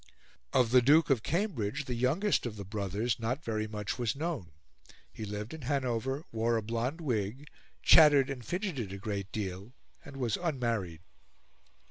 Of the Duke of Cambridge, the youngest of the brothers, not very much was known. He lived in Hanover, wore a blonde wig, chattered and fidgeted a great deal, and was unmarried.